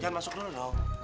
jangan masuk dulu dong